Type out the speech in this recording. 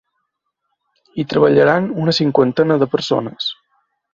Hi treballaran una cinquantena de persones.